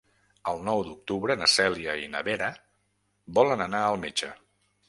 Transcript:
El nou d'octubre na Cèlia i na Vera volen anar al metge.